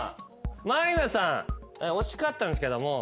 満里奈さん惜しかったんですけども。